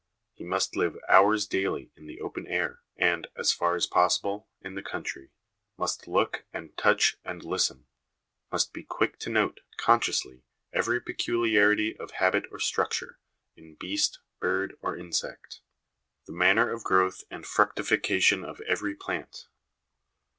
He must live hours daily in the open air, and, as far as possible, in the country ; must look and touch and listen ; must be quick to note, consciously, every peculiarity of habit or structure, in beast, bird, or insect ; the manner of growth and fructification of every plant.